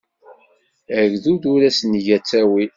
Agdud ur as-nga ttawil.